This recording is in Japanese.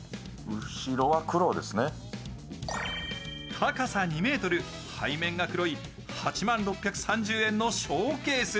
高さ２ｍ、背面が黒い８万６３０円のショーケース。